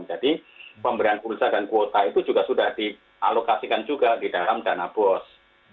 jadi pemberian pulsa dan kuota itu juga sudah dialokasikan juga di dalam dana bos